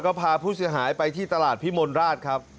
ก็พาผู้เสียหายไปที่ตลาดพิมลราชครับ